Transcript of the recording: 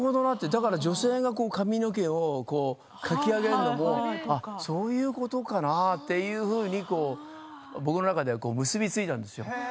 だから女性が髪の毛をかき上げるのもそういうことかなというふうに僕の中では結び付いたんですよね。